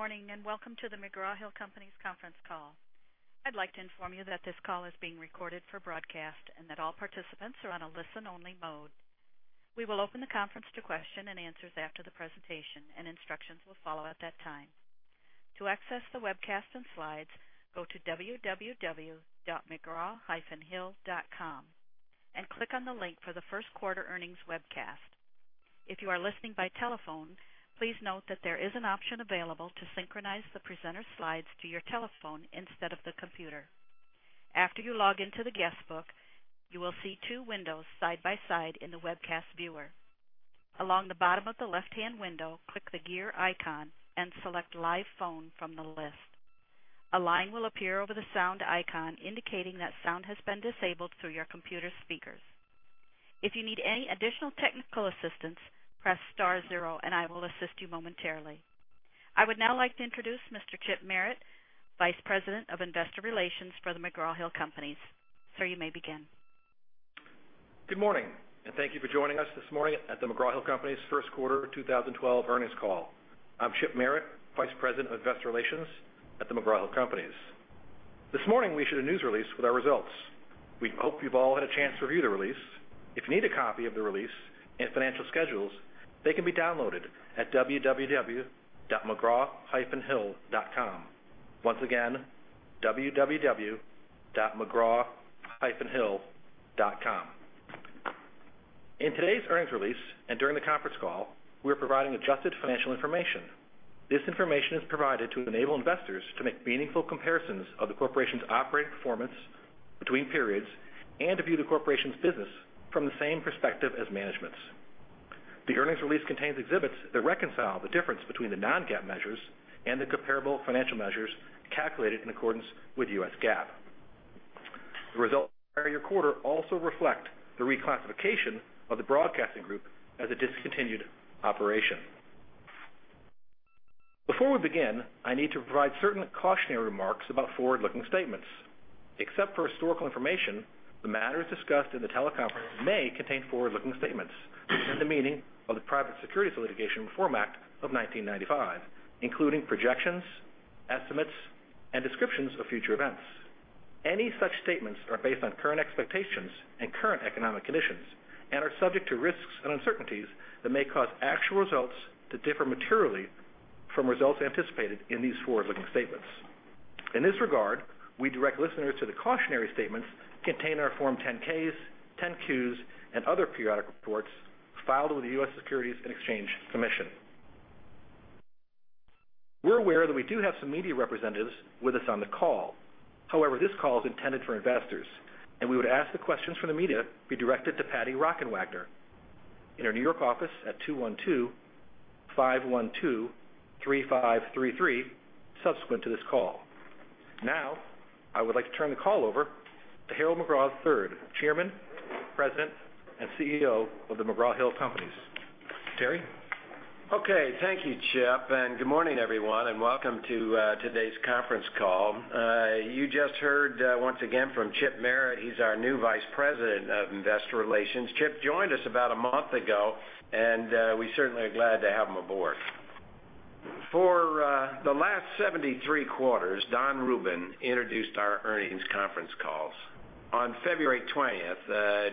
Morning and welcome to the McGraw-Hill Companies' Conference Call. I'd like to inform you that this call is being recorded for broadcast and that all participants are on a listen-only mode. We will open the conference to questions and answers after the presentation, and instructions will follow at that time. To access the webcast and slides, go to www.mcgraw-hill.com and click on the link for the first quarter earnings webcast. If you are listening by telephone, please note that there is an option available to synchronize the presenter's slides to your telephone instead of the computer. After you log into the guest book, you will see two windows side by side in the webcast viewer. Along the bottom of the left-hand window, click the gear icon and select Live Phone from the list. A line will appear over the sound icon indicating that sound has been disabled through your computer speakers. If you need any additional technical assistance, press star zero and I will assist you momentarily. I would now like to introduce Mr. Chip Merritt, Vice President of Investor Relations for the McGraw-Hill Companies. Sir, you may begin. Good morning and thank you for joining us this morning at the McGraw-Hill Companies' First Quarter 2012 Earnings Call. I'm Chip Merritt, Vice President of Investor Relations at McGraw-Hill Companies. This morning we issued a news release with our results. We hope you've all had a chance to review the release. If you need a copy of the release and financial schedules, they can be downloaded at www.mcgraw-hill.com. Once again, www.mcgraw-hill.com. In today's earnings release and during the conference call, we are providing adjusted financial information. This information is provided to enable investors to make meaningful comparisons of the corporation's operating performance between periods and to view the corporation's business from the same perspective as management's. The earnings release contains exhibits that reconcile the difference between the non-GAAP measures and the comparable financial measures calculated in accordance with U.S. GAAP. The results from the prior year quarter also reflect the reclassification of the broadcasting group as a discontinued operation. Before we begin, I need to provide certain cautionary remarks about forward-looking statements. Except for historical information, the matters discussed in the teleconference may contain forward-looking statements that have the meaning of the Private Securities Litigation Reform Act of 1995, including projections, estimates, and descriptions of future events. Any such statements are based on current expectations and current economic conditions and are subject to risks and uncertainties that may cause actual results to differ materially from results anticipated in these forward-looking statements. In this regard, we direct listeners to the cautionary statements contained in our Form 10-Ks, 10-Qs, and other periodic reports filed with the U.S. Securities and Exchange Commission. We're aware that we do have some media representatives with us on the call. However, this call is intended for investors, and we would ask that questions from the media be directed to Patti Rockenwagner in her New York office at 212-512-3533 subsequent to this call. Now, I would like to turn the call over to Harold McGraw III, Chairman, President, and CEO of McGraw-Hill Companies. Terry? Okay, thank you, Chip, and good morning everyone, and welcome to today's conference call. You just heard once again from Chip Merritt. He's our new Vice President of Investor Relations. Chip joined us about a month ago, and we certainly are glad to have him aboard. For the last 73 quarters, Don Rubin introduced our earnings conference calls. On February 20th,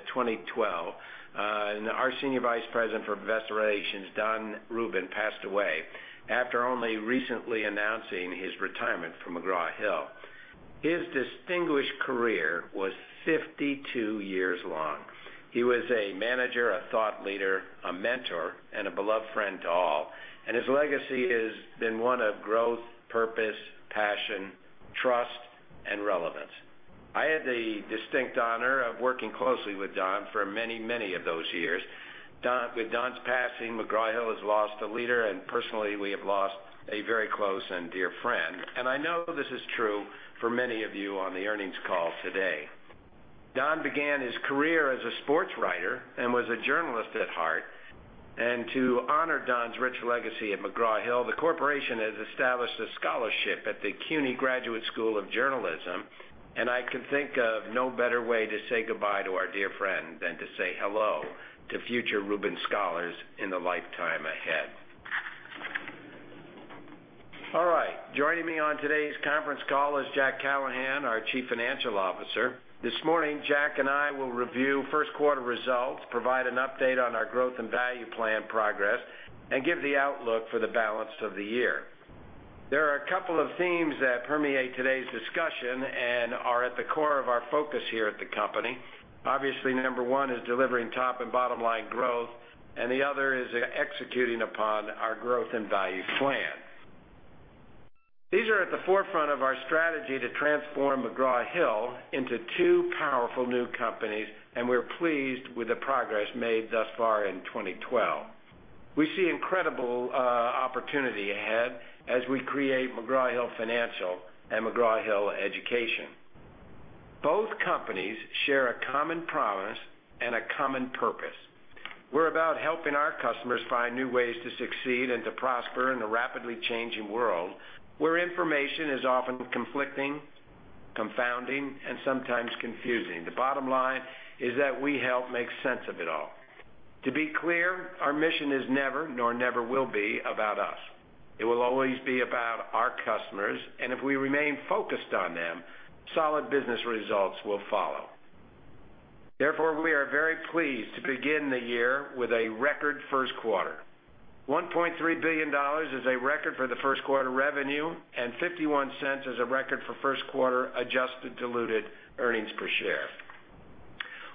2012, our Senior Vice President for Investor Relations, Don Rubin, passed away after only recently announcing his retirement from McGraw-Hill. His distinguished career was 52 years long. He was a manager, a thought leader, a mentor, and a beloved friend to all, and his legacy has been one of growth, purpose, passion, trust, and relevance. I had the distinct honor of working closely with Don for many, many of those years. With Don's passing, McGraw-Hill has lost a leader, and personally, we have lost a very close and dear friend, and I know this is true for many of you on the earnings call today. Don began his career as a sportswriter and was a journalist at heart. To honor Don's rich legacy at McGraw-Hill, the corporation has established a scholarship at the CUNY Graduate School of Journalism, and I can think of no better way to say goodbye to our dear friend than to say hello to future Rubin Scholars in the lifetime ahead. Joining me on today's conference call is Jack Callahan, our Chief Financial Officer. This morning, Jack and I will review first quarter results, provide an update on our Growth and Value Plan progress, and give the outlook for the balance of the year. There are a couple of themes that permeate today's discussion and are at the core of our focus here at the company. Obviously, number one is delivering top and bottom line growth, and the other is executing upon our Growth and Value Plan. These are at the forefront of our strategy to transform McGraw-Hill into two powerful new companies, and we're pleased with the progress made thus far in 2012. We see incredible opportunity ahead as we create McGraw-Hill Financial and McGraw-Hill Education. Both companies share a common promise and a common purpose. We're about helping our customers find new ways to succeed and to prosper in a rapidly changing world where information is often conflicting, confounding, and sometimes confusing. The bottom line is that we help make sense of it all. To be clear, our mission is never, nor never will be, about us. It will always be about our customers, and if we remain focused on them, solid business results will follow. Therefore, we are very pleased to begin the year with a record first quarter. $1.3 billion is a record for the first quarter revenue, and $0.51 is a record for first quarter adjusted diluted earnings per share.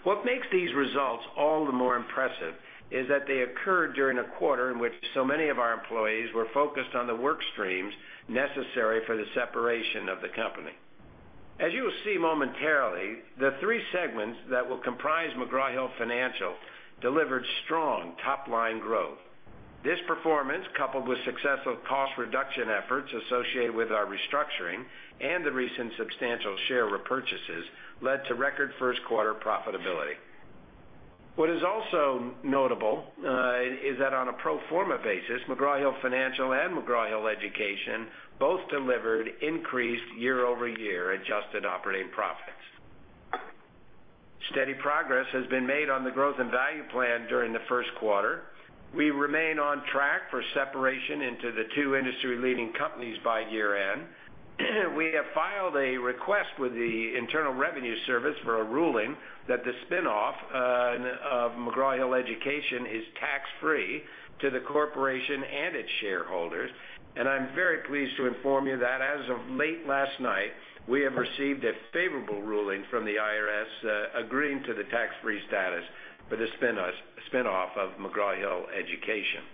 What makes these results all the more impressive is that they occurred during a quarter in which so many of our employees were focused on the work streams necessary for the separation of the company. As you will see momentarily, the three segments that will comprise McGraw-Hill Financial delivered strong top-line growth. This performance, coupled with successful cost reduction efforts associated with our restructuring and the recent substantial share repurchases, led to record first quarter profitability. What is also notable is that on a pro forma basis, McGraw-Hill Financial and McGraw-Hill Education both delivered increased year-over-year adjusted operating profits. Steady progress has been made on the Growth and Value Plan during the first quarter. We remain on track for separation into the two industry-leading companies by year-end. We have filed a request with the Internal Revenue Service for a ruling that the spin-off of McGraw-Hill Education is tax-free to the Corporation and its shareholders, and I'm very pleased to inform you that as of late last night, we have received a favorable ruling from the IRS agreeing to the tax-free status for the spin-off of McGraw-Hill Education.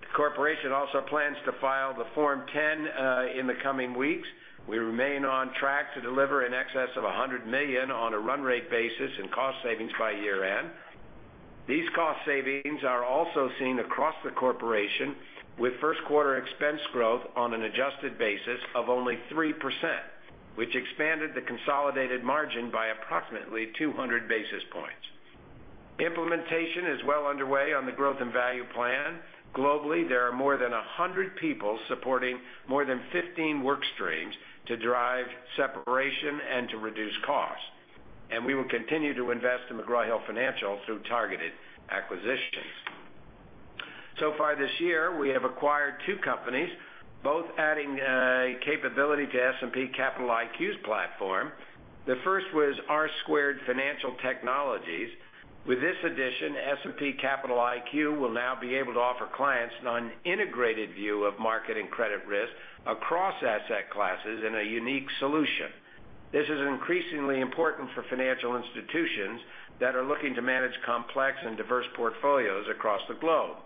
The corporation also plans to file the Form 10 in the coming weeks. We remain on track to deliver in excess of $100 million on a run-rate basis in cost savings by year-end. These cost savings are also seen across the corporation with first quarter expense growth on an adjusted basis of only 3%, which expanded the consolidated margin by approximately 200 basis points. Implementation is well underway on the Growth and Value Plan. Globally, there are more than 100 people supporting more than 15 work streams to drive separation and to reduce costs, and we will continue to invest in McGraw-Hill Financial through targeted acquisitions. So far this year, we have acquired two companies, both adding capability to S&P Capital IQ's platform. The first was R² Financial Technologies. With this addition, S&P Capital IQ will now be able to offer clients an integrated view of market and credit risk across asset classes in a unique solution. This is increasingly important for financial institutions that are looking to manage complex and diverse portfolios across the globe.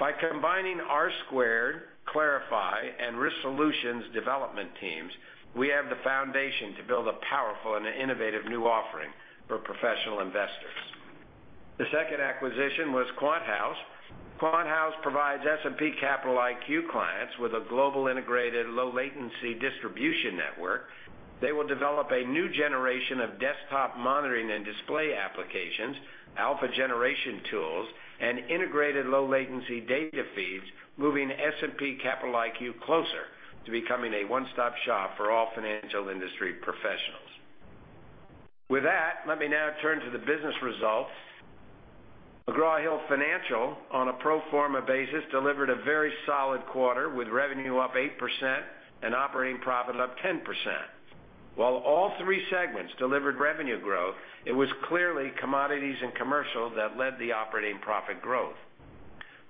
By combining R², Clarify, and Risk Solutions development teams, we have the foundation to build a powerful and innovative new offering for professional investors. The second acquisition was QuantHouse. QuantHouse provides S&P Capital IQ clients with a global integrated low-latency distribution network. They will develop a new generation of desktop monitoring and display applications, alpha generation tools, and integrated low-latency data feeds, moving S&P Capital IQ closer to becoming a one-stop shop for all financial industry professionals. With that, let me now turn to the business results. McGraw-Hill Financial, on a pro forma basis, delivered a very solid quarter with revenue up 8% and operating profit up 10%. While all three segments delivered revenue growth, it was clearly Commodities & Commercial that led the operating profit growth.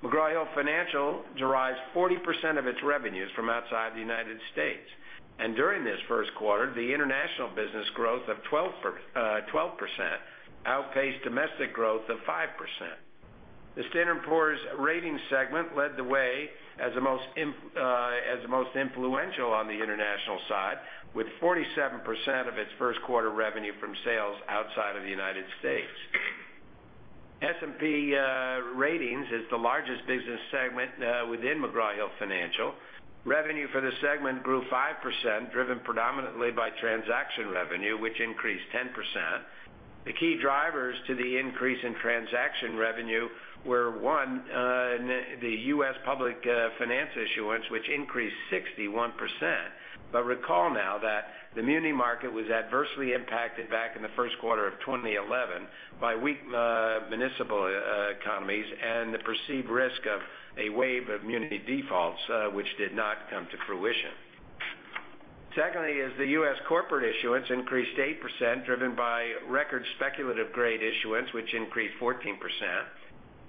McGraw-Hill Financial derives 40% of its revenues from outside the United States, and during this first quarter, the international business growth of 12% outpaced domestic growth of 5%. The Standard & Poor’s Ratings segment led the way as the most influential on the international side, with 47% of its first quarter revenue from sales outside of the United States. S&P Ratings is the largest business segment within McGraw-Hill Financial. Revenue for the segment grew 5%, driven predominantly by transaction revenue, which increased 10%. The key drivers to the increase in transaction revenue were, one, the U.S. public finance issuance, which increased 61%. Recall now that the muni market was adversely impacted back in the first quarter of 2011 by weak municipal economies and the perceived risk of a wave of muni defaults, which did not come to fruition. Secondly, the U.S. corporate issuance increased 8%, driven by record speculative-grade issuance, which increased 14%.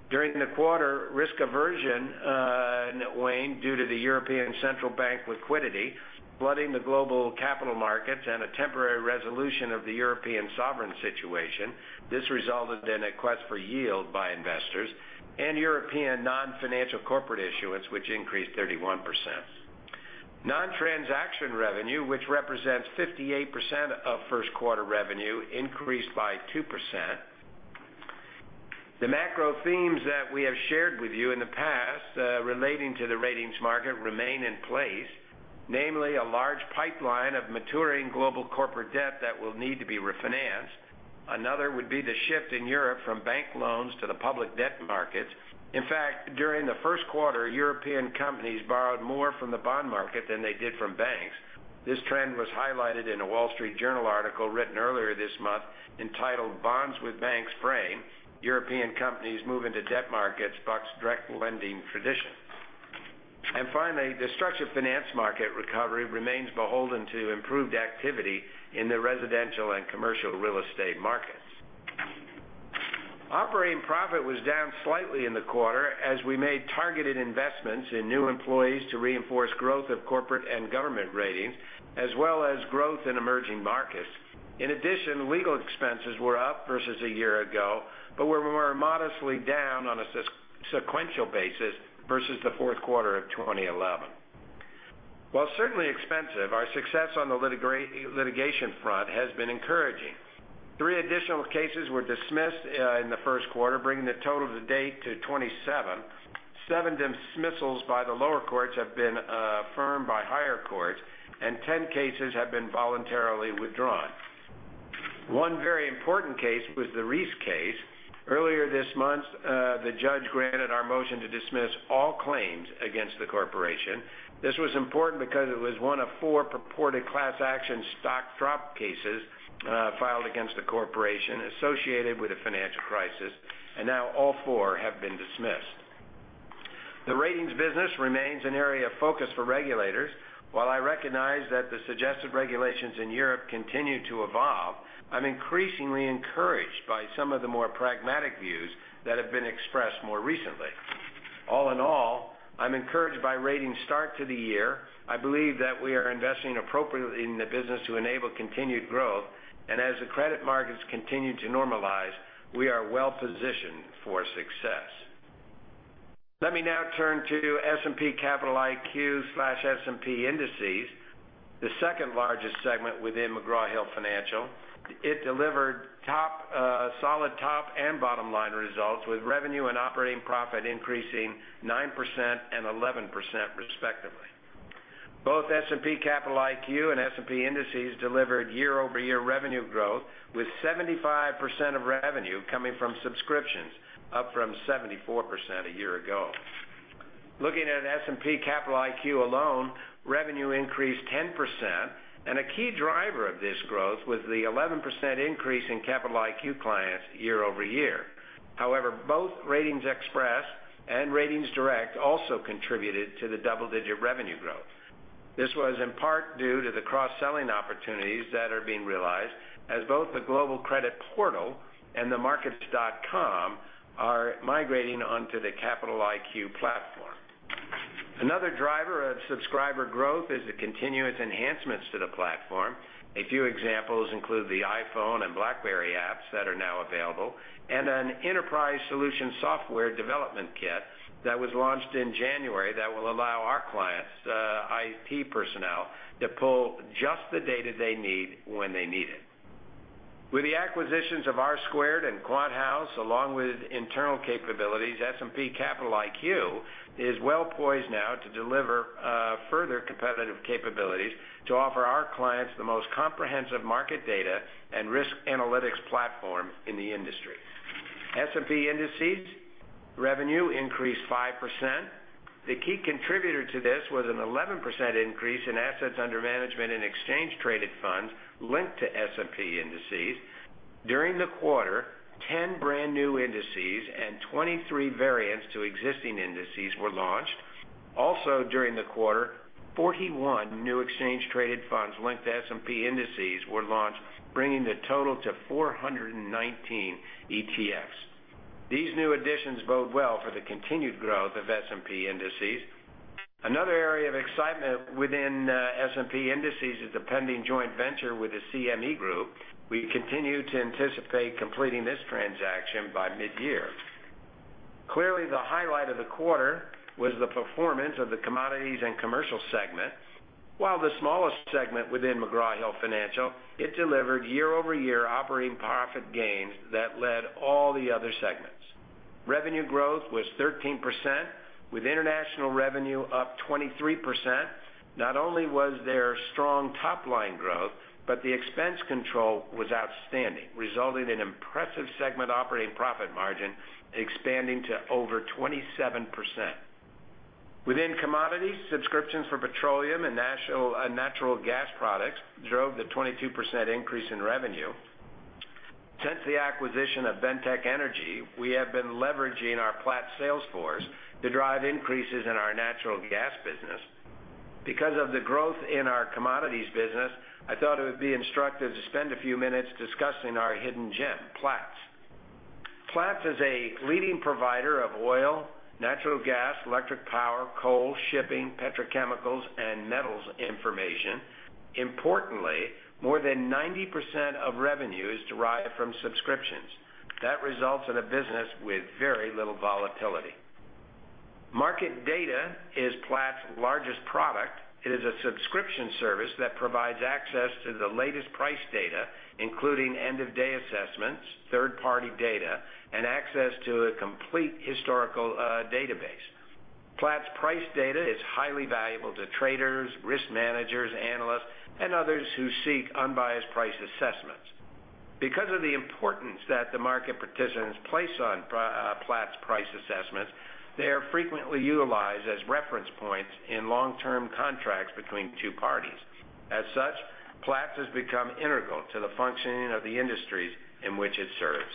During the quarter, risk aversion waned due to the European Central Bank liquidity flooding the global capital markets and a temporary resolution of the European sovereign situation. This resulted in a quest for yield by investors and European non-financial corporate issuance, which increased 31%. Non-transaction revenue, which represents 58% of first quarter revenue, increased by 2%. The macro themes that we have shared with you in the past relating to the ratings market remain in place, namely a large pipeline of maturing global corporate debt that will need to be refinanced. Another would be the shift in Europe from bank loans to the public debt markets. In fact, during the first quarter, European companies borrowed more from the bond market than they did from banks. This trend was highlighted in a Wall Street Journal article written earlier this month entitled "Bonds with Banks Fraying: European Companies Move into Debt Markets - Buck's Direct Lending Tradition." Finally, the structured finance market recovery remains beholden to improved activity in the residential and commercial real estate markets. Operating profit was down slightly in the quarter as we made targeted investments in new employees to reinforce growth of Corporate and Government ratings, as well as growth in emerging markets. In addition, legal expenses were up versus a year ago, but were more modestly down on a sequential basis versus the fourth quarter of 2011. While certainly expensive, our success on the litigation front has been encouraging. Three additional cases were dismissed in the first quarter, bringing the total to date to 27. Seven dismissals by the lower courts have been affirmed by higher courts, and 10 cases have been voluntarily withdrawn. One very important case was the Reese case. Earlier this month, the judge granted our motion to dismiss all claims against the corporation. This was important because it was one of four purported class action stock drop cases filed against the corporation associated with a financial crisis, and now all four have been dismissed. The ratings business remains an area of focus for regulators. While I recognize that the suggested regulations in Europe continue to evolve, I'm increasingly encouraged by some of the more pragmatic views that have been expressed more recently. All in all, I'm encouraged by ratings start to the year. I believe that we are investing appropriately in the business to enable continued growth, and as the credit markets continue to normalize, we are well positioned for success. Let me now turn to S&P Capital IQ/S&P Indices, the second largest segment within McGraw-Hill Financial. It delivered solid top and bottom-line results with revenue and operating profit increasing 9% and 11% respectively. Both S&P Capital IQ and S&P Indices delivered year-over-year revenue growth, with 75% of revenue coming from subscriptions, up from 74% a year ago. Looking at S&P Capital IQ alone, revenue increased 10%, and a key driver of this growth was the 11% increase in Capital IQ clients year-over-year. However, both RatingsXpress and RatingsDirect also contributed to the double-digit revenue growth. This was in part due to the cross-selling opportunities that are being realized as both the Global Credit Portal and TheMarkets.com are migrating onto the Capital IQ platform. Another driver of subscriber growth is the continuous enhancements to the platform. A few examples include the iPhone and BlackBerry apps that are now available and an enterprise solution software development kit that was launched in January that will allow our clients, the IT personnel, to pull just the data they need when they need it. With the acquisitions of R² and QuantHouse, along with internal capabilities, S&P Capital IQ is well poised now to deliver further competitive capabilities to offer our clients the most comprehensive market data and risk analytics platform in the industry. S&P Indices revenue increased 5%. The key contributor to this was an 11% increase in assets under management and exchange-traded funds linked to S&P Indices. During the quarter, 10 brand new indices and 23 variants to existing indices were launched. Also, during the quarter, 41 new exchange-traded funds linked to S&P Indices were launched, bringing the total to 419 ETFs. These new additions bode well for the continued growth of S&P Indices. Another area of excitement within S&P Indices is the pending joint venture with the CME Group. We continue to anticipate completing this transaction by mid-year. Clearly, the highlight of the quarter was the performance of the Commodities & Commercial segment. While the smallest segment within McGraw-Hill Financial, it delivered year-over-year operating profit gains that led all the other segments. Revenue growth was 13%, with international revenue up 23%. Not only was there strong top-line growth, but the expense control was outstanding, resulting in an impressive segment operating profit margin expanding to over 27%. Within commodities, subscriptions for petroleum and natural gas products drove the 22% increase in revenue. Since the acquisition of BENTEK Energy, we have been leveraging our Platts sales force to drive increases in our natural gas business. Because of the growth in our commodities business, I thought it would be instructive to spend a few minutes discussing our hidden gem, Platts. Platts is a leading provider of oil, natural gas, electric power, coal, shipping, petrochemicals, and metals information. Importantly, more than 90% of revenue is derived from subscriptions. That results in a business with very little volatility. Market data is Platts' largest product. It is a subscription service that provides access to the latest price data, including end-of-day assessments, third-party data, and access to a complete historical database. Platts' price data is highly valuable to traders, risk managers, analysts, and others who seek unbiased price assessments. Because of the importance that the market participants place on Platts' price assessments, they are frequently utilized as reference points in long-term contracts between two parties. As such, Platts has become integral to the functioning of the industries in which it serves.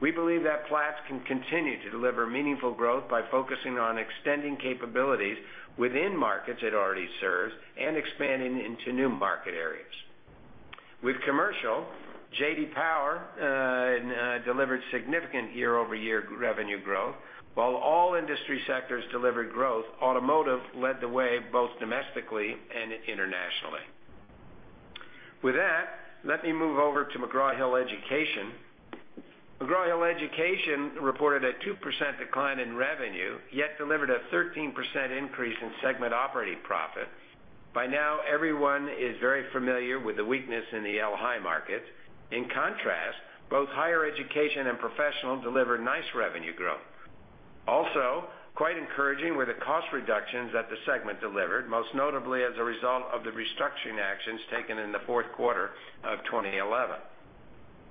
We believe that Platts can continue to deliver meaningful growth by focusing on extending capabilities within markets it already serves and expanding into new market areas. With commercial, J.D. Power delivered significant year-over-year revenue growth. While all industry sectors delivered growth, automotive led the way both domestically and internationally. With that, let me move over to McGraw-Hill Education. McGraw-Hill Education reported a 2% decline in revenue, yet delivered a 13% increase in segment operating profit. By now, everyone is very familiar with the weakness in the el-hi market. In contrast, both Higher Education and Professional delivered nice revenue growth. Also, quite encouraging were the cost reductions that the segment delivered, most notably as a result of the restructuring actions taken in the fourth quarter of 2011.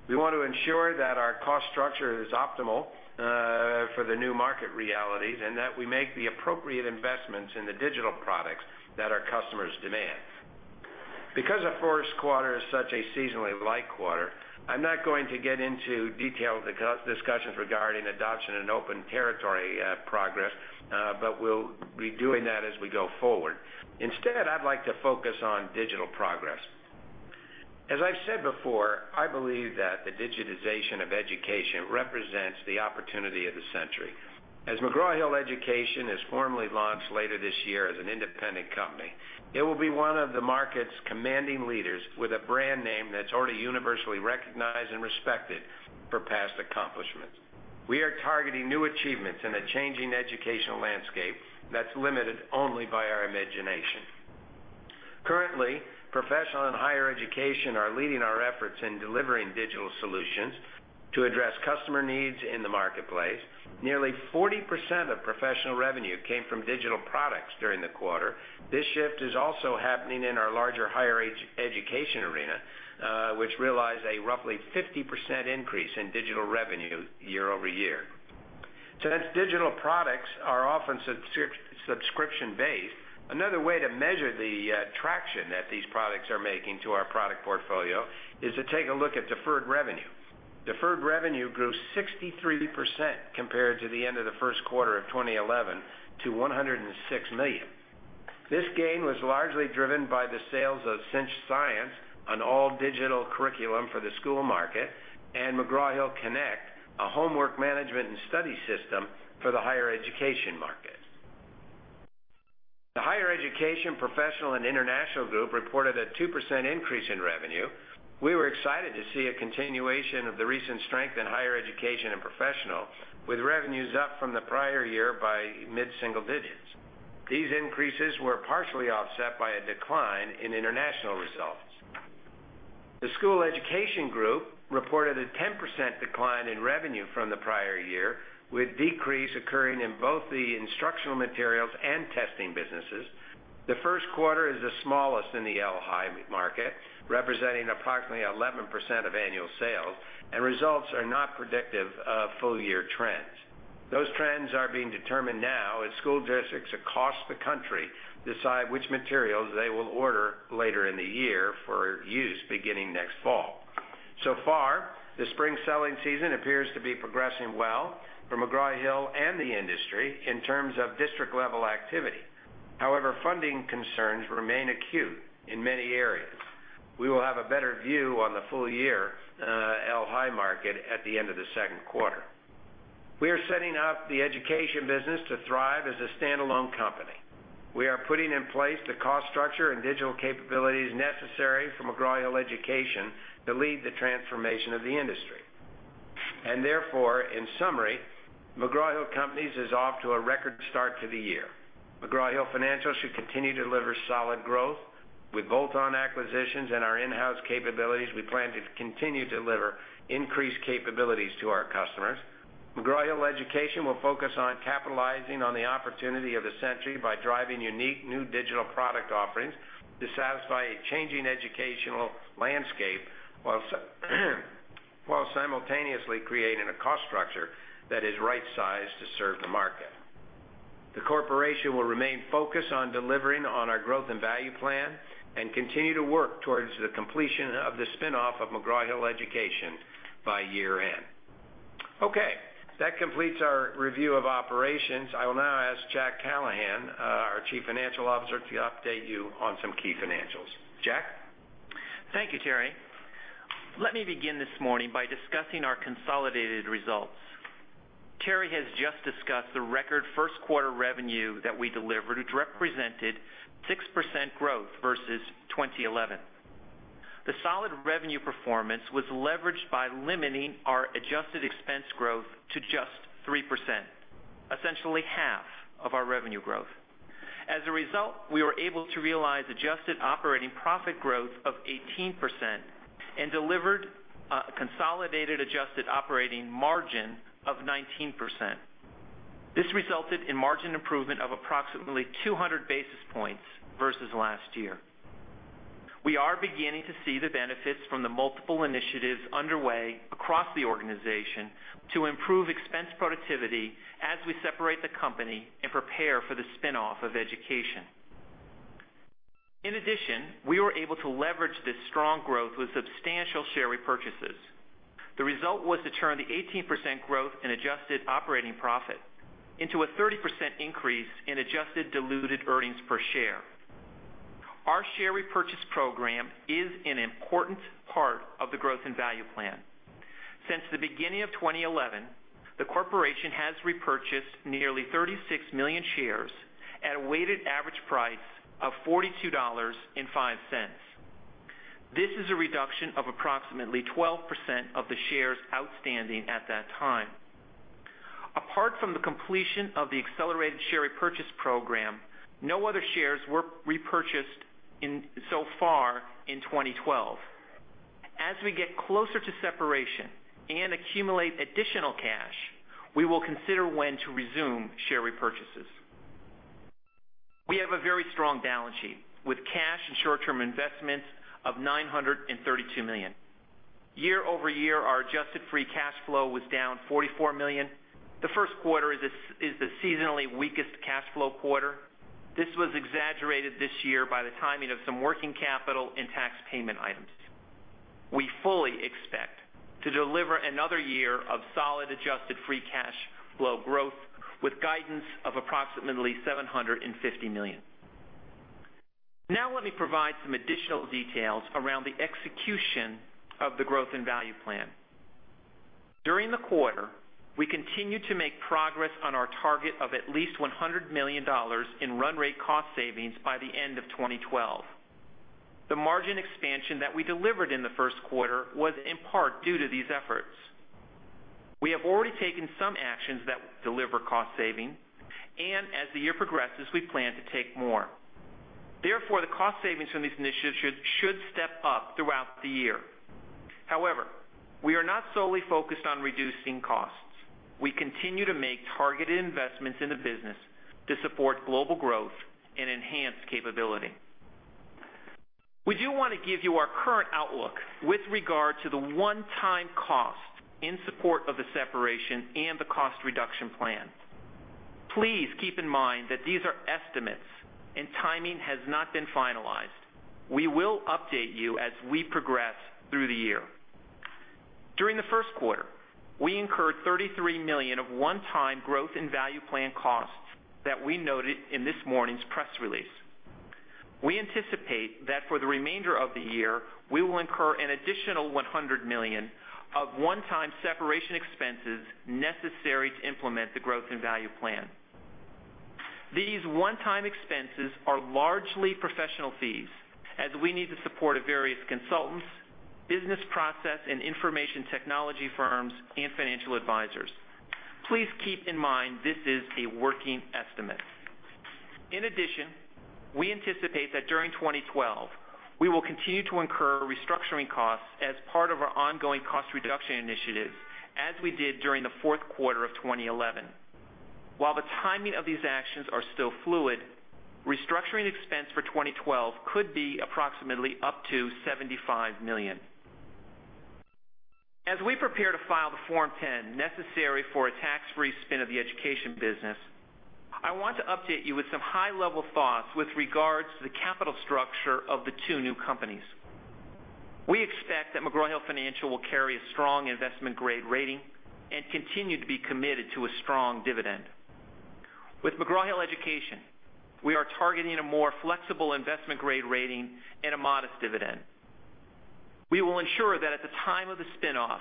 We want to ensure that our cost structure is optimal for the new market realities and that we make the appropriate investments in the digital products that our customers demand. Because the first quarter is such a seasonally light quarter, I'm not going to get into detailed discussions regarding adoption and open territory progress, but we'll be doing that as we go forward. Instead, I'd like to focus on digital progress. As I've said before, I believe that the digitization of education represents the opportunity of the century. As McGraw-Hill Education is formally launched later this year as an independent company, it will be one of the market's commanding leaders with a brand name that's already universally recognized and respected for past accomplishments. We are targeting new achievements in a changing educational landscape that's limited only by our imagination. Currently, Professional and Higher Education are leading our efforts in delivering digital solutions to address customer needs in the marketplace. Nearly 40% of Professional revenue came from digital products during the quarter. This shift is also happening in our larger Higher Education arena, which realized a roughly 50% increase in digital revenue year-over-year. Since digital products are often subscription-based, another way to measure the traction that these products are making to our product portfolio is to take a look at deferred revenue. Deferred revenue grew 63% compared to the end of the first quarter of 2011 to $106 million. This gain was largely driven by the sales of CINCH Science on all digital curriculum for the school market and McGraw-Hill Connect, a homework management and study system for the Higher Education market. The Higher Education, Professional, and International Group reported a 2% increase in revenue. We were excited to see a continuation of the recent strength in Higher Education and Professional, with revenues up from the prior year by mid-single digits. These increases were partially offset by a decline in international results. The School Education Group reported a 10% decline in revenue from the prior year, with decrease occurring in both the instructional materials and testing businesses. The first quarter is the smallest in the el-hi market, representing approximately 11% of annual sales, and results are not predictive of full-year trends. Those trends are being determined now as school districts across the country decide which materials they will order later in the year for use beginning next fall. The spring selling season appears to be progressing well for McGraw-Hill and the industry in terms of district-level activity. However, funding concerns remain acute in many areas. We will have a better view on the full-year el-hi market at the end of the second quarter. We are setting up the Education business to thrive as a standalone company. We are putting in place the cost structure and digital capabilities necessary for McGraw-Hill Education to lead the transformation of the industry. Therefore, in summary, McGraw-Hill Companies is off to a record start to the year. McGraw-Hill Financial should continue to deliver solid growth. With bolt-on acquisitions and our in-house capabilities, we plan to continue to deliver increased capabilities to our customers. McGraw-Hill Education will focus on capitalizing on the opportunity of the century by driving unique new digital product offerings to satisfy a changing educational landscape while simultaneously creating a cost structure that is right-sized to serve the market. The corporation will remain focused on delivering on our Growth and Value Plan and continue to work towards the completion of the spin-off of McGraw-Hill Education by year-end. That completes our review of operations. I will now ask Jack Callahan, our Chief Financial Officer, to update you on some key financials. Jack? Thank you, Terry. Let me begin this morning by discussing our consolidated results. Terry has just discussed the record first quarter revenue that we delivered, which represented 6% growth versus 2011. The solid revenue performance was leveraged by limiting our adjusted expense growth to just 3%, essentially half of our revenue growth. As a result, we were able to realize adjusted operating profit growth of 18% and delivered a consolidated adjusted operating margin of 19%. This resulted in margin improvement of approximately 200 basis points versus last year. We are beginning to see the benefits from the multiple initiatives underway across the organization to improve expense productivity as we separate the company and prepare for the spin-off of Education. In addition, we were able to leverage this strong growth with substantial share repurchases. The result was to turn the 18% growth in adjusted operating profit into a 30% increase in adjusted diluted earnings per share. Our share repurchase program is an important part of the Growth and Value Plan. Since the beginning of 2011, the corporation has repurchased nearly 36 million shares at a weighted average price of $42.05. This is a reduction of approximately 12% of the shares outstanding at that time. Apart from the completion of the accelerated share repurchase program, no other shares were repurchased so far in 2012. As we get closer to separation and accumulate additional cash, we will consider when to resume share repurchases. We have a very strong balance sheet with cash and short-term investments of $932 million. Year-over-year, our adjusted free cash flow was down $44 million. The first quarter is the seasonally weakest cash flow quarter. This was exaggerated this year by the timing of some working capital and tax payment items. We fully expect to deliver another year of solid adjusted free cash flow growth with guidance of approximately $750 million. Now let me provide some additional details around the execution of the Growth and Value Plan. During the quarter, we continued to make progress on our target of at least $100 million in run-rate cost savings by the end of 2012. The margin expansion that we delivered in the first quarter was in part due to these efforts. We have already taken some actions that deliver cost savings, and as the year progresses, we plan to take more. Therefore, the cost savings from these initiatives should step up throughout the year. However, we are not solely focused on reducing costs. We continue to make targeted investments in the business to support global growth and enhance capability. We do want to give you our current outlook with regard to the one-time cost in support of the separation and the cost reduction plan. Please keep in mind that these are estimates and timing has not been finalized. We will update you as we progress through the year. During the first quarter, we incurred $33 million of one-time Growth and Value Plan costs that we noted in this morning's press release. We anticipate that for the remainder of the year, we will incur an additional $100 million of one-time separation expenses necessary to implement the Growth and Value Plan. These one-time expenses are largely professional fees, as we need to support various consultants, business process and information technology firms, and financial advisors. Please keep in mind this is a working estimate. In addition, we anticipate that during 2012, we will continue to incur restructuring costs as part of our ongoing cost reduction initiatives, as we did during the fourth quarter of 2011. While the timing of these actions is still fluid, restructuring expense for 2012 could be approximately up to $75 million. As we prepare to file the Form 10 necessary for a tax-free spin-off of the Education business, I want to update you with some high-level thoughts with regards to the capital structure of the two new companies. We expect that McGraw-Hill Companies will carry a strong investment-grade rating and continue to be committed to a strong dividend. With McGraw-Hill Education, we are targeting a more flexible investment-grade rating and a modest dividend. We will ensure that at the time of the spin-off,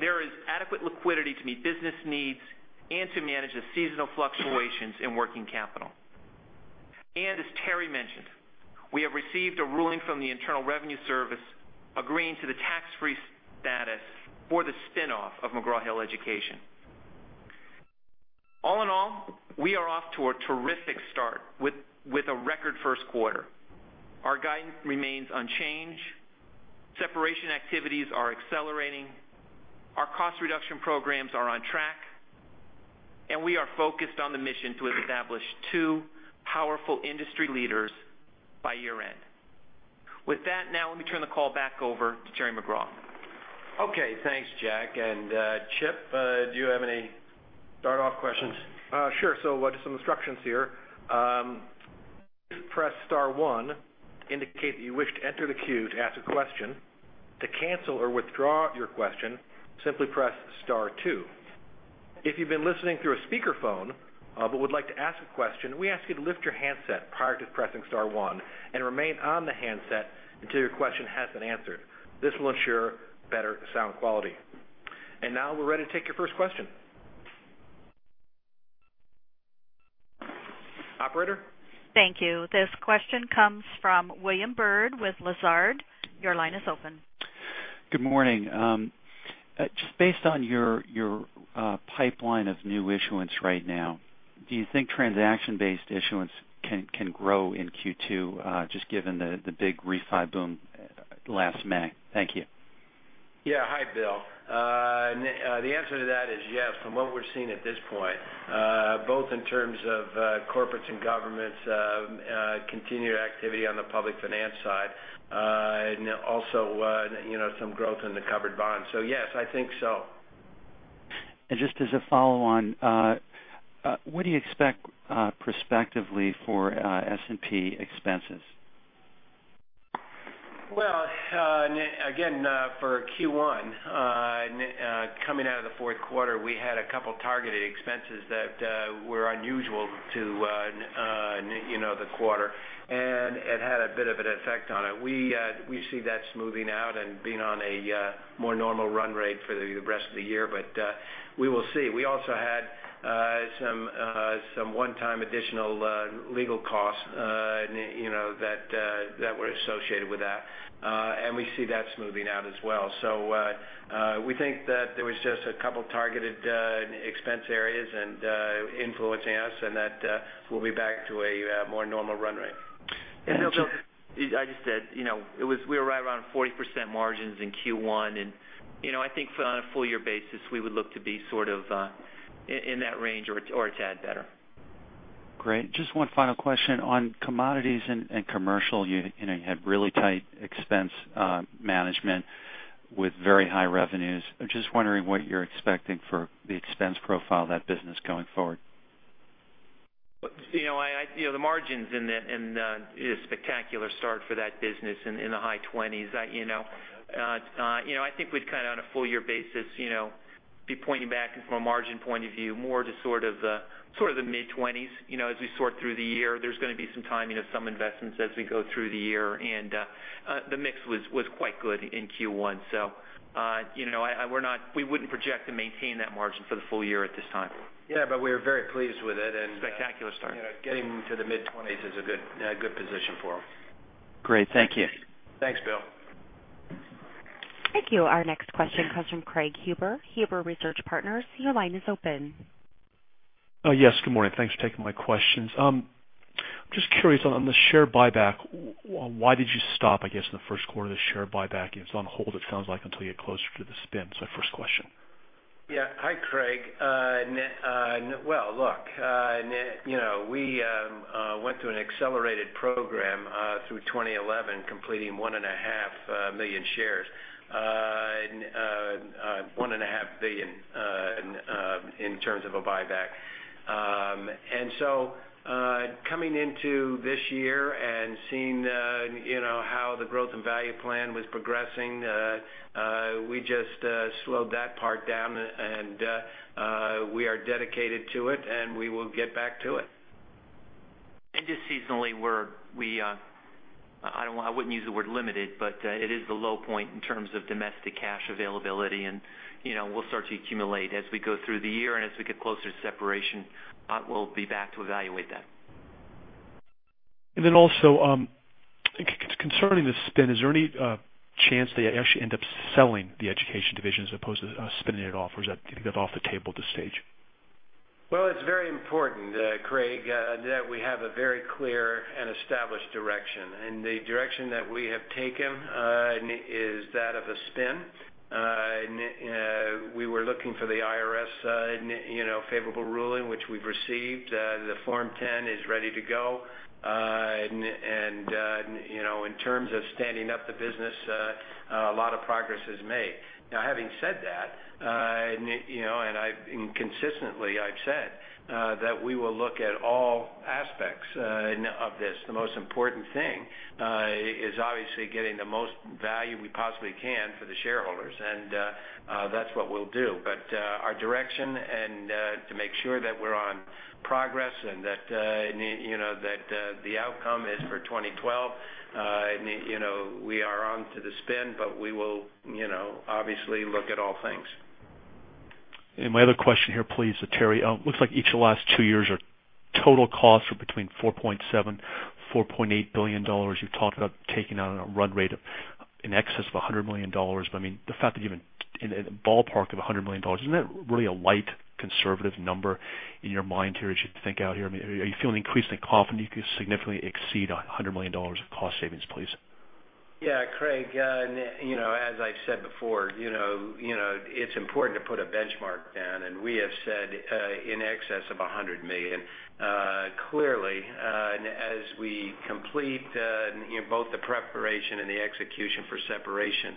there is adequate liquidity to meet business needs and to manage the seasonal fluctuations in working capital. As Terry mentioned, we have received a ruling from the Internal Revenue Service agreeing to the tax-free status for the spin-off of McGraw-Hill Education. All in all, we are off to a terrific start with a record first quarter. Our guidance remains unchanged. Separation activities are accelerating. Our cost reduction programs are on track, and we are focused on the mission to establish two powerful industry leaders by year-end. With that, now let me turn the call back over to Terry McGraw... Okay, thanks, Jack. Chip, do you have any start-off questions? Sure. Just some instructions here. Press star one to indicate that you wish to enter the queue to ask a question. To cancel or withdraw your question, simply press star two. If you've been listening through a speakerphone but would like to ask a question, we ask you to lift your handset prior to pressing star one and remain on the handset until your question has been answered. This will ensure better sound quality. Now we're ready to take your first question. Operator? Thank you. This question comes from William Bird with Lazard. Your line is open. Good morning. Just based on your pipeline of new issuance right now, do you think transaction-based issuance can grow in Q2 just given the big refi boom last May? Thank you. Yeah, hi Bill. The answer to that is yes. From what we're seeing at this point, both in terms of corporates and governments, continued activity on the public finance side, and also some growth in the covered bonds. Yes, I think so. What do you expect prospectively for S&P expenses? For Q1, coming out of the fourth quarter, we had a couple of targeted expenses that were unusual to the quarter, and it had a bit of an effect on it. We see that smoothing out and being on a more normal run rate for the rest of the year, but we will see. We also had some one-time additional legal costs that were associated with that, and we see that smoothing out as well. We think that there were just a couple of targeted expense areas influencing us and that we'll be back to a more normal run rate. Bill, I just said, you know, we were right around 40% margins in Q1, and I think on a full-year basis, we would look to be sort of in that range or a tad better. Great. Just one final question on commodities and commercial. You had really tight expense management with very high revenues. I'm just wondering what you're expecting for the expense profile of that business going forward. The margins in that and a spectacular start for that business in the high 20%. I think we'd kind of, on a full-year basis, be pointing back and from a margin point of view more to sort of the mid 20%. As we sort through the year, there's going to be some time, some investments as we go through the year, and the mix was quite good in Q1. We wouldn't project to maintain that margin for the full year at this time. Yeah, we were very pleased with it. Spectacular start. Getting to the mid 20s is a good position for them. Great, thank you. Thanks, Bill. Thank you. Our next question comes from Craig Huber. Huber Research Partners, your line is open. Oh, yes, good morning. Thanks for taking my questions. I'm just curious on the share buyback. Why did you stop, I guess, in the first quarter? The share buyback is on hold, it sounds like, until you get closer to the spin. First question. Yeah, hi Craig. Look, you know, we went through an accelerated program through 2011, completing 1.5 million shares, $1.5 billion in terms of a buyback. Coming into this year and seeing how the Growth and Value Plan was progressing, we just slowed that part down, and we are dedicated to it, and we will get back to it. Seasonally, I wouldn't use the word limited, but it is the low point in terms of domestic cash availability, and you know, we'll start to accumulate as we go through the year. As we get closer to separation, we'll be back to evaluate that. Concerning the spin, is there any chance that you actually end up selling the education division as opposed to spinning it off, or is that off the table at this stage? It is very important, Craig, that we have a very clear and established direction, and the direction that we have taken is that of a spin. We were looking for the IRS favorable ruling, which we've received. The Form 10 is ready to go, and in terms of standing up the business, a lot of progress is made. Having said that, I've consistently said that we will look at all aspects of this. The most important thing is obviously getting the most value we possibly can for the shareholders, and that's what we'll do. Our direction and to make sure that we're on progress and that the outcome is for 2012, we are onto the spin, but we will obviously look at all things. My other question here, please, Terry. It looks like each of the last two years' total costs were between $4.7 billion-$4.8 billion. You talked about taking on a run rate in excess of $100 million, but the fact that you've been in a ballpark of $100 million, isn't that really a light conservative number in your mind here as you think out here? Are you feeling increasingly confident you can significantly exceed $100 million of cost savings, please? Yeah, Craig, as I've said before, it's important to put a benchmark down, and we have said in excess of $100 million. Clearly, as we complete both the preparation and the execution for separation,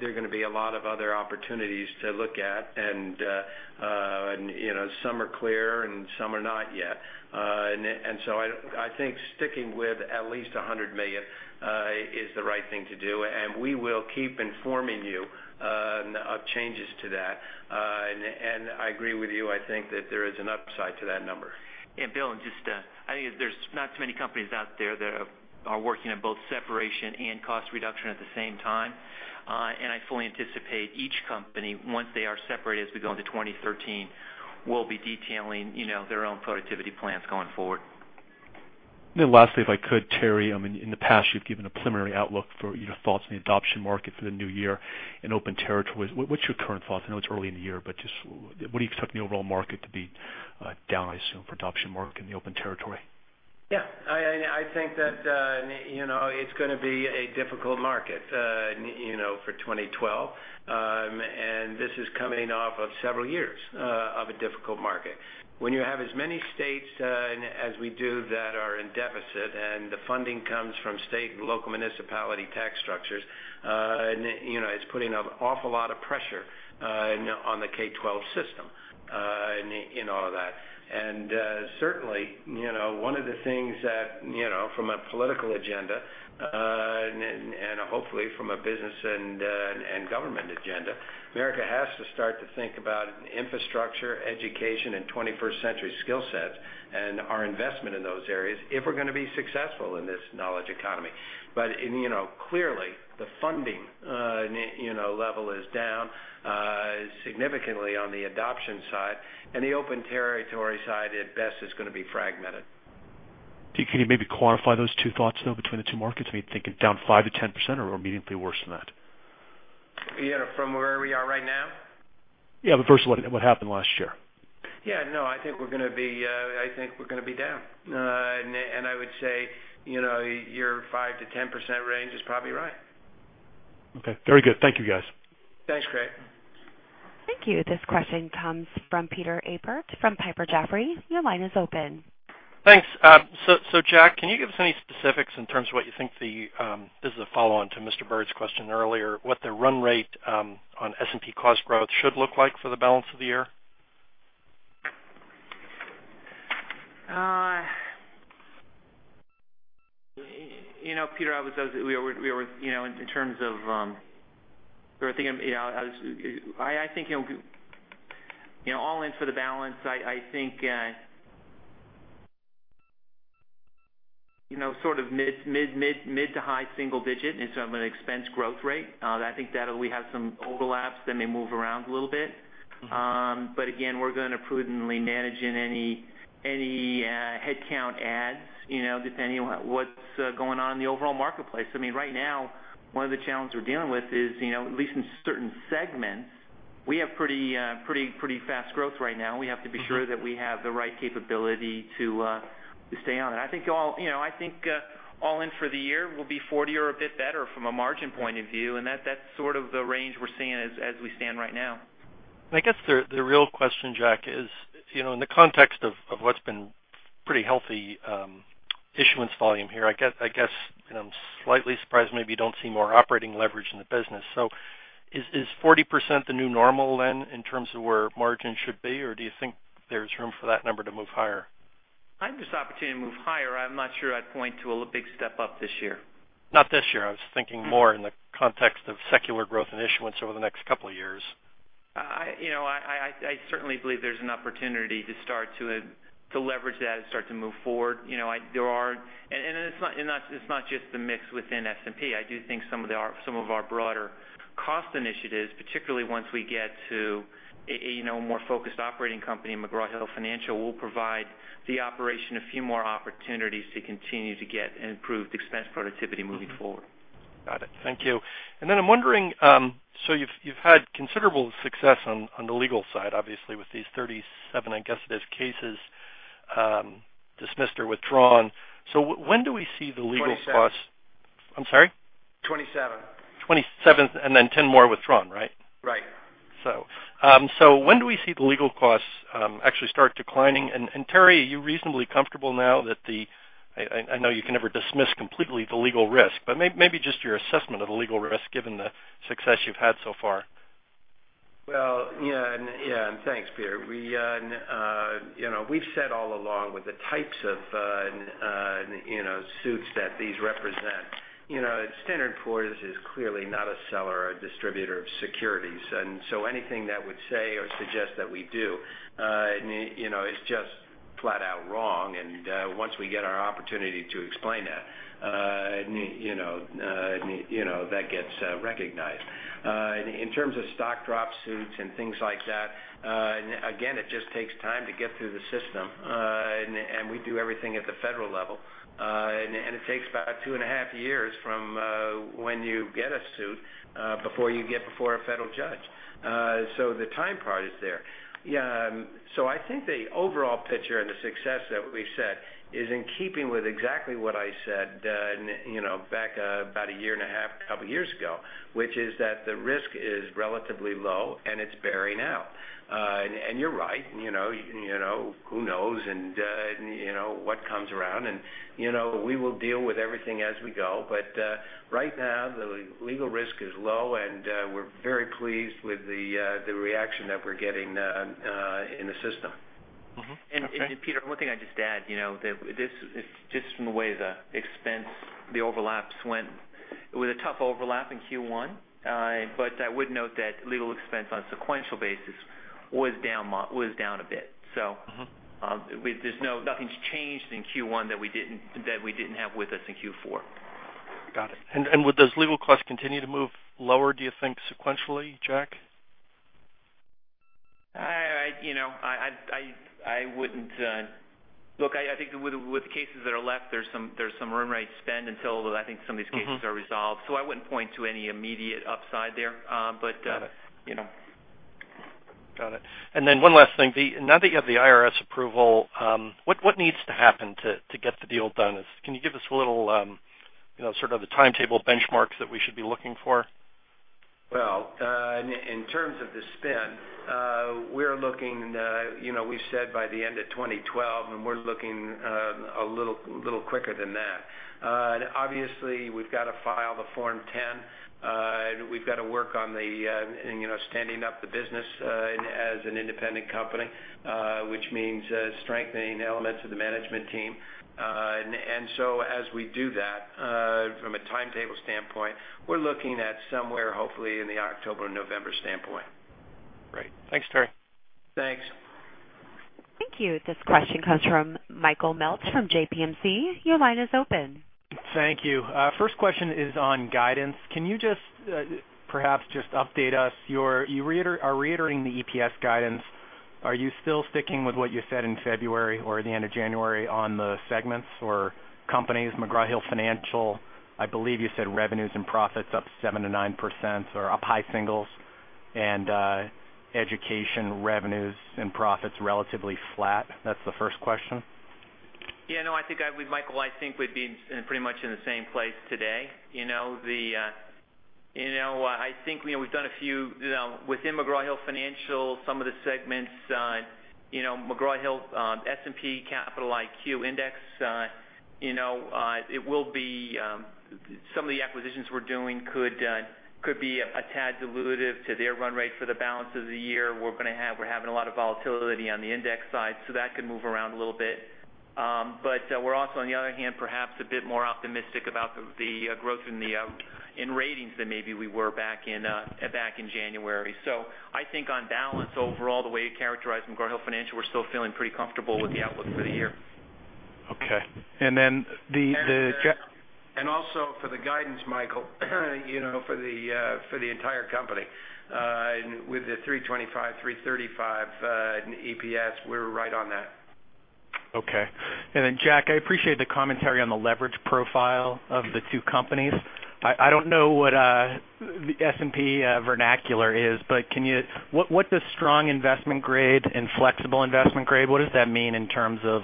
there are going to be a lot of other opportunities to look at, and some are clear and some are not yet. I think sticking with at least $100 million is the right thing to do, and we will keep informing you of changes to that. I agree with you, I think that there is an upside to that number. I think there's not too many companies out there that are working on both separation and cost reduction at the same time. I fully anticipate each company, once they are separated as we go into 2013, will be detailing their own productivity plans going forward. Lastly, if I could, Terry, in the past you've given a preliminary outlook for your thoughts on the adoption market for the new year in open territory. What's your current thoughts? I know it's early in the year, but just what do you expect the overall market to be down, I assume, for the adoption market in the open territory? Yeah, I think that it's going to be a difficult market for 2012, and this is coming off of several years of a difficult market. When you have as many states as we do that are in deficit and the funding comes from state and local municipality tax structures, it's putting an awful lot of pressure on the K-12 system in all of that. Certainly, one of the things that, from a political agenda and hopefully from a business and government agenda, America has to start to think about infrastructure, education, and 21st century skill sets and our investment in those areas if we're going to be successful in this knowledge economy. Clearly, the funding level is down significantly on the adoption side, and the open territory side at best is going to be fragmented. Can you maybe clarify those two thoughts, though, between the two markets? I mean, thinking down 5%-10% or immediately worse than that? You know, from where we are right now? Yeah, first of all, what happened last year? I think we're going to be down. I would say your 5%-10% range is probably right. Okay, very good. Thank you, guys. Thanks, Craig. Thank you. This question comes from Peter Ebert from Piper Jaffray. Your line is open. Thanks. Jack, can you give us any specifics in terms of what you think the, this is a follow-on to Mr. Bird's question earlier, what the run-rate on S&P cost growth should look like for the balance of the year? Peter, in terms of, I think, all in for the balance, I think sort of mid to high single digit in terms of an expense growth rate. We have some overlaps, then they move around a little bit. Again, we're going to prudently manage in any headcount ads, depending on what's going on in the overall marketplace. Right now, one of the challenges we're dealing with is, at least in certain segments, we have pretty fast growth right now. We have to be sure that we have the right capability to stay on it. I think all in for the year will be 40% or a bit better from a margin point of view, and that's sort of the range we're seeing as we stand right now. I guess the real question, Jack, is, you know, in the context of what's been pretty healthy issuance volume here, I'm slightly surprised maybe you don't see more operating leverage in the business. Is 40% the new normal then in terms of where margin should be, or do you think there's room for that number to move higher? I'm just opportunity to move higher. I'm not sure I'd point to a big step up this year. Not this year. I was thinking more in the context of secular growth and issuance over the next couple of years. I certainly believe there's an opportunity to start to leverage that and start to move forward. There are, and it's not just the mix within S&P. I do think some of our broader cost initiatives, particularly once we get to a more focused operating company, McGraw-Hill Financial, will provide the operation a few more opportunities to continue to get improved expense productivity moving forward. Got it. Thank you. I'm wondering, you've had considerable success on the legal side, obviously, with these 37 cases dismissed or withdrawn. When do we see the legal costs? I'm sorry? 27. 27, and then 10 more withdrawn, right? Right. When do we see the legal costs actually start declining? Terry, are you reasonably comfortable now that the, I know you can never dismiss completely the legal risk, but maybe just your assessment of the legal risk given the success you've had so far? Thank you, Peter. We've said all along with the types of suits that these represent, Standard & Poor’s is clearly not a seller or a distributor of securities, and anything that would say or suggest that we do is just flat out wrong. Once we get our opportunity to explain that, that gets recognized. In terms of stock drop suits and things like that, it just takes time to get through the system, and we do everything at the federal level. It takes about two and a half years from when you get a suit before you get before a federal judge. The time part is there. I think the overall picture and the success that we've set is in keeping with exactly what I said back about a year and a half, a couple of years ago, which is that the risk is relatively low and it's bearing out. You're right, who knows what comes around, and we will deal with everything as we go, but right now the legal risk is low and we're very pleased with the reaction that we're getting in the system. Peter, one thing I'd just add, this is just from the way the expense, the overlaps went. It was a tough overlap in Q1, but I would note that legal expense on a sequential basis was down a bit. Nothing's changed in Q1 that we didn't have with us in Q4. Got it. Would those legal costs continue to move lower, do you think, sequentially, Jack? I think with the cases that are left, there's some room to spend until I think some of these cases are resolved. I wouldn't point to any immediate upside there, but you know. Got it. One last thing, now that you have the IRS approval, what needs to happen to get the deal done? Can you give us a little, you know, sort of the timetable benchmarks that we should be looking for? In terms of the spin, we're looking, you know, we've said by the end of 2012 and we're looking a little quicker than that. Obviously, we've got to file the Form 10. We've got to work on the, you know, standing up the business as an independent company, which means strengthening elements of the management team. As we do that, from a timetable standpoint, we're looking at somewhere hopefully in the October and November standpoint. Great. Thanks, Terry. Thanks. Thank you. This question comes from Michael Meltz from JP&C. Your line is open. Thank you. First question is on guidance. Can you just perhaps just update us? You are reiterating the EPS guidance. Are you still sticking with what you said in February or the end of January on the segments or companies? McGraw-Hill Financial, I believe you said revenues and profits up 7%-9% or up high singles and education revenues and profits relatively flat. That's the first question. Yeah, no, I think with Michael, I think we'd be pretty much in the same place today. I think we've done a few within McGraw-Hill Financial, some of the segments, you know, McGraw-Hill S&P Capital IQ Index you know, it will be some of the acquisitions we're doing could be a tad dilutive to their run rate for the balance of the year. We're having a lot of volatility on the index side, so that could move around a little bit. We're also, on the other hand, perhaps a bit more optimistic about the growth in ratings than maybe we were back in January. I think on balance, overall, the way you characterize McGraw-Hill Financial, we're still feeling pretty comfortable with the outlook for the year. Okay. For the guidance, Michael, for the entire company, with the $3.25, $3.35 EPS, we're right on that. Okay. Jack, I appreciate the commentary on the leverage profile of the two companies. I don't know what the S&P vernacular is, but can you, what does strong investment-grade and flexible investment-grade, what does that mean in terms of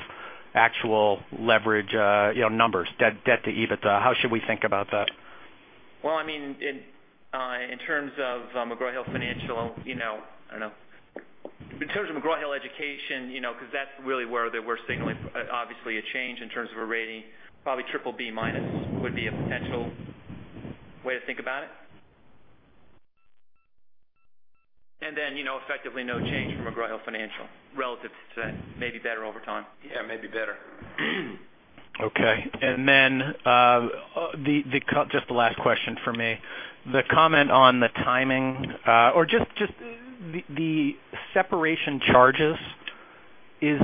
actual leverage, you know, numbers, debt to EBITDA? How should we think about that? In terms of McGraw-Hill Financial, I don't know, in terms of McGraw-Hill Education, because that's really where we're signaling obviously a change in terms of a rating, probably triple B- would be a potential way to think about it. Effectively, no change for McGraw-Hill Financial relative to today, maybe better over time. Yeah, maybe better. Okay. Just the last question for me. The comment on the timing or just the separation charges is,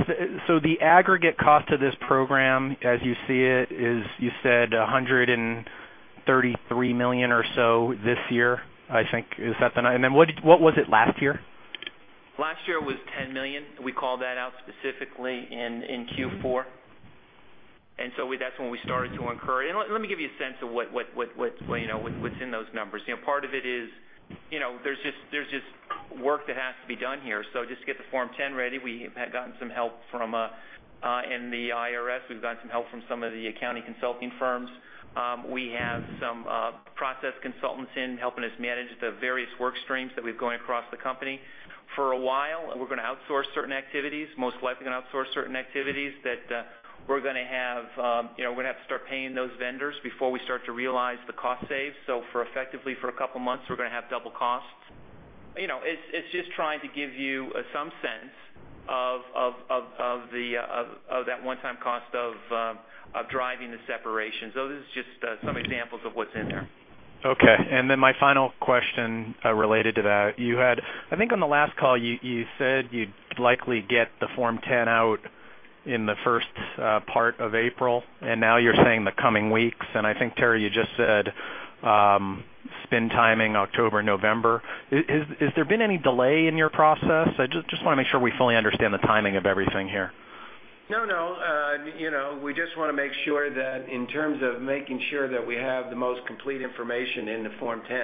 the aggregate cost of this program, as you see it, is you said $133 million or so this year, I think. Is that the number? What was it last year? Last year was $10 million. We called that out specifically in Q4. That is when we started to incur. Let me give you a sense of what's in those numbers. Part of it is, there's just work that has to be done here. Just to get the Form 10 ready, we had gotten some help from the IRS. We've gotten some help from some of the accounting consulting firms. We have some process consultants in helping us manage the various work streams that we've gone across the company. For a while, we're going to outsource certain activities, most likely going to outsource certain activities that we're going to have. We're going to have to start paying those vendors before we start to realize the cost saves. Effectively for a couple of months, we're going to have double costs. It's just trying to give you some sense of that one-time cost of driving the separation. This is just some examples of what's in there. Okay. My final question related to that, you had, I think on the last call, you said you'd likely get the Form 10 out in the first part of April, and now you're saying the coming weeks. I think, Terry, you just said spin timing October, November. Has there been any delay in your process? I just want to make sure we fully understand the timing of everything here. We just want to make sure that in terms of making sure that we have the most complete information in the Form 10.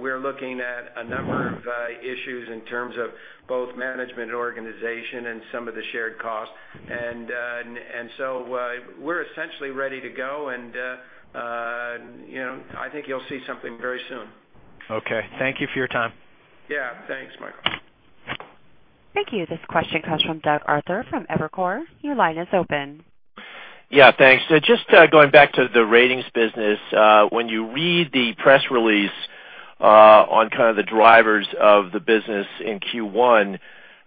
We're looking at a number of issues in terms of both management and organization and some of the shared costs. We're essentially ready to go, and I think you'll see something very soon. Okay, thank you for your time. Yeah, thanks, Michael. Thank you. This question comes from Doug Arthur from Evercore. Your line is open. Yeah, thanks. Just going back to the ratings business, when you read the press release on kind of the drivers of the business in Q1,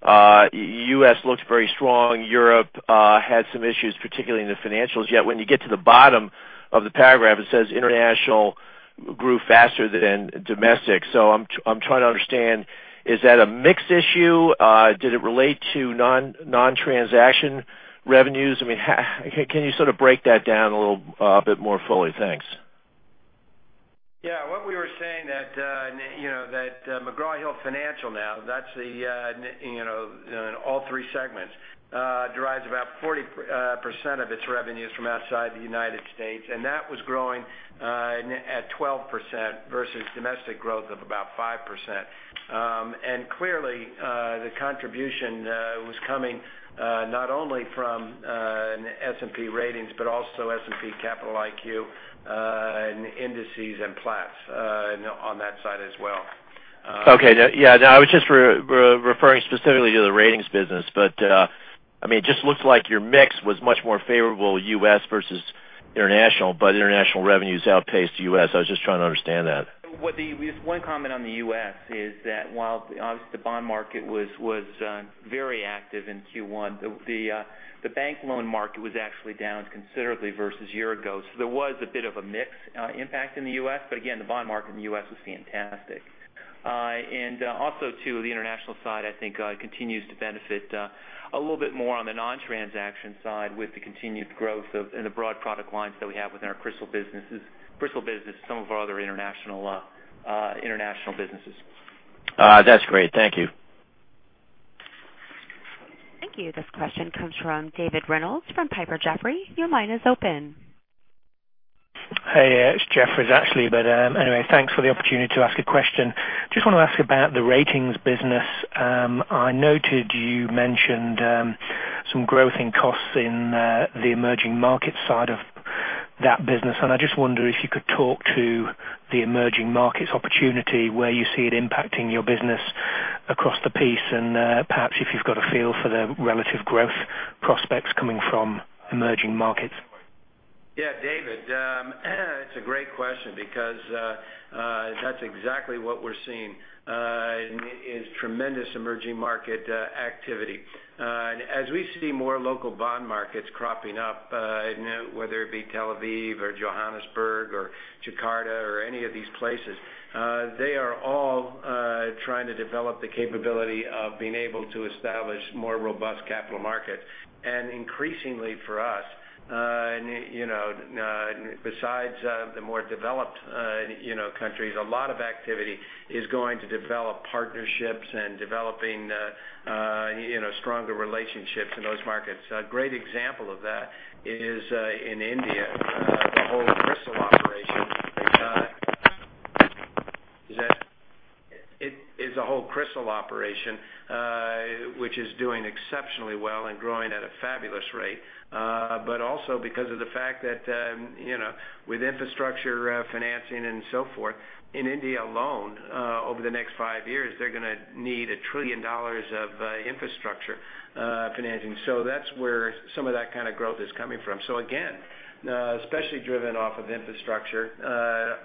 the U.S. looked very strong. Europe had some issues, particularly in the financials. Yet when you get to the bottom of the paragraph, it says international grew faster than domestic. I'm trying to understand, is that a mix issue? Did it relate to non-transaction revenues? Can you sort of break that down a little bit more fully? Thanks. What we were saying is that McGraw-Hill Companies now, in all three segments, derives about 40% of its revenues from outside the United States, and that was growing at 12% versus domestic growth of about 5%. Clearly, the contribution was coming not only from S&P Ratings, but also S&P Capital IQ, Indices, and Platts on that side as well. Okay, yeah, I was just referring specifically to the ratings business, but it just looks like your mix was much more favorable U.S. versus international, but international revenues outpaced the U.S. I was just trying to understand that. One comment on the U.S. is that while obviously the bond market was very active in Q1, the bank loan market was actually down considerably versus a year ago. There was a bit of a mix impact in the U.S., but again, the bond market in the U.S. was fantastic. Also, the international side, I think, continues to benefit a little bit more on the non-transaction side with the continued growth and the broad product lines that we have within our crystal businesses and some of our other international businesses. That's great. Thank you. Thank you. This question comes from David Reynolds from Piper Jaffray. Your line is open. Hey, it's Jefferies actually, but anyway, thanks for the opportunity to ask a question. I just want to ask about the ratings business. I noted you mentioned some growth in costs in the emerging market side of that business, and I just wonder if you could talk to the emerging markets opportunity where you see it impacting your business across the piece and perhaps if you've got a feel for the relative growth prospects coming from emerging markets. Yeah, David, it's a great question because that's exactly what we're seeing is tremendous emerging market activity. As we see more local bond markets cropping up, whether it be Tel Aviv, Johannesburg, or Jakarta, or any of these places, they are all trying to develop the capability of being able to establish more robust capital markets. Increasingly for us, besides the more developed countries, a lot of activity is going to develop partnerships and developing stronger relationships in those markets. A great example of that is in India, the whole CRISIL operation, which is doing exceptionally well and growing at a fabulous rate, also because of the fact that, you know, with infrastructure financing and so forth, in India alone, over the next five years, they're going to need $1 trillion of infrastructure financing. That's where some of that kind of growth is coming from. Again, especially driven off of infrastructure,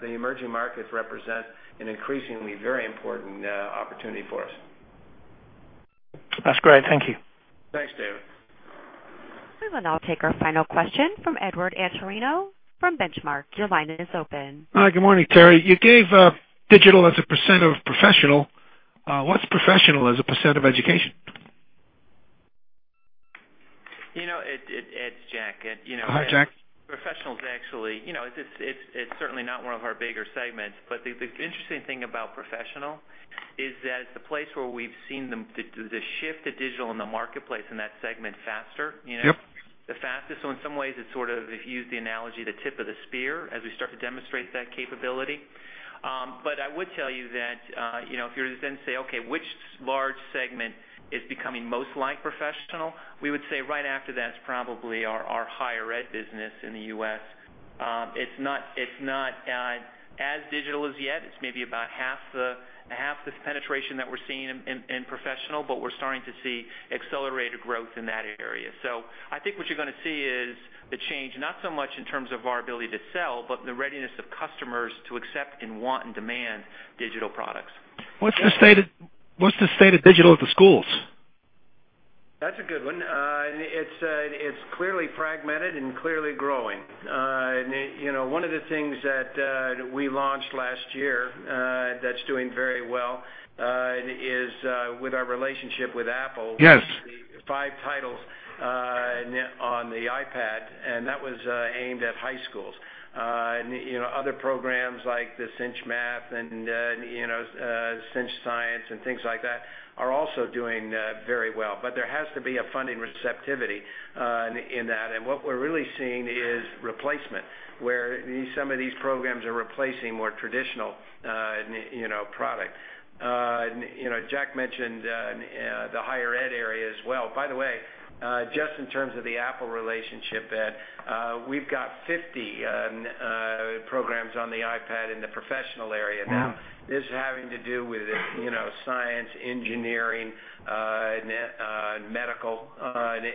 the emerging markets represent an increasingly very important opportunity for us. That's great. Thank you. Thanks, David. We will now take our final question from Edward Antorino from Benchmark. Your line is open. Good morning, Terry. You gave digital as a % of Professional. What's Professional as a % of Education? You know, Jack, Professionals actually, it's certainly not one of our bigger segments, but the interesting thing about Professional is that it's the place where we've seen the shift to digital in the marketplace in that segment faster, the fastest. In some ways, it's sort of, if you use the analogy, the tip of the spear as we start to demonstrate that capability. I would tell you that if you were to then say, okay, which large segment is becoming most like Professional, we would say right after that is probably our Higher Ed business in the U.S. It's not as digital as yet. It's maybe about half the penetration that we're seeing in Professional, but we're starting to see accelerated growth in that area. I think what you're going to see is the change, not so much in terms of our ability to sell, but the readiness of customers to accept and want and demand digital products. What's the state of digital at the schools? That's a good one. It's clearly fragmented and clearly growing. One of the things that we launched last year that's doing very well is with our relationship with Apple. Yes. Five titles on the iPad, and that was aimed at high schools. Other programs like the CINCH Math and CINCH Science and things like that are also doing very well, but there has to be a funding receptivity in that. What we're really seeing is replacement where some of these programs are replacing more traditional product. Jack mentioned the Higher Ed area as well. By the way, just in terms of the Apple relationship, we've got 50 programs on the iPad in the Professional area now. This is having to do with science, engineering, and medical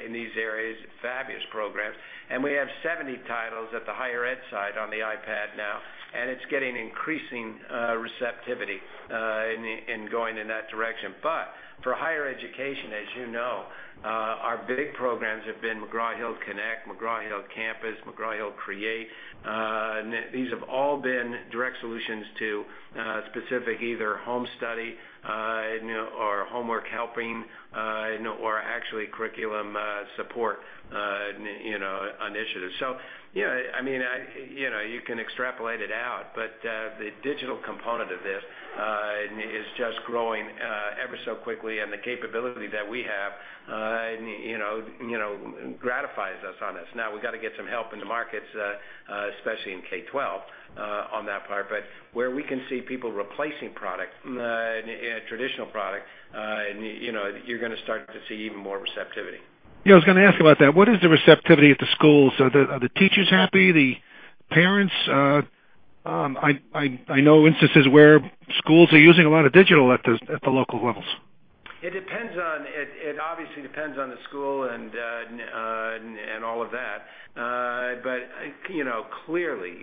in these areas, fabulous programs. We have 70 titles at the Higher Ed side on the iPad now, and it's getting increasing receptivity in going in that direction. For Higher Education, as you know, our big programs have been McGraw-Hill Connect, McGraw-Hill Campus, McGraw-Hill Create. These have all been direct solutions to specific either home study or homework helping or actually curriculum support initiatives. You can extrapolate it out, but the digital component of this is just growing ever so quickly, and the capability that we have gratifies us on this. We've got to get some help in the markets, especially in K-12 on that part, but where we can see people replacing product, traditional product, you're going to start to see even more receptivity. Yeah, I was going to ask about that. What is the receptivity at the schools? Are the teachers happy? The parents? I know instances where schools are using a lot of digital at the local levels. It depends on, it obviously depends on the school and all of that. Clearly,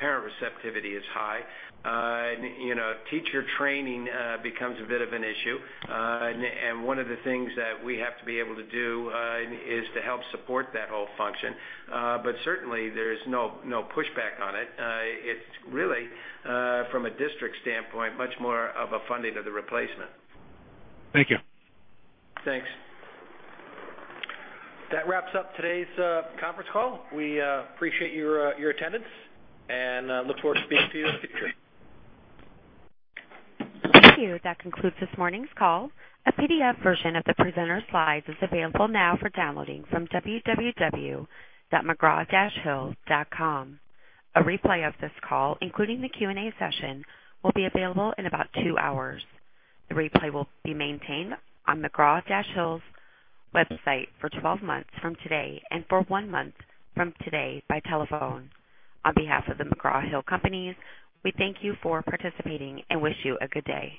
parent receptivity is high. Teacher training becomes a bit of an issue. One of the things that we have to be able to do is to help support that whole function. Certainly, there's no pushback on it. It's really, from a district standpoint, much more of a funding of the replacement. Thank you. Thanks. That wraps up today's conference call. We appreciate your attendance and look forward to speaking to you in the future. Thank you. That concludes this morning's call. A PDF version of the presenter slides is available now for downloading from www.mcgraw-hill.com. A replay of this call, including the Q&A session, will be available in about two hours. The replay will be maintained on McGraw-Hill Companies's website for 12 months from today and for one month from today by telephone. On behalf of McGraw-Hill Companies, we thank you for participating and wish you a good day.